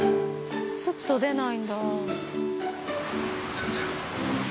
スッと出ないんだ。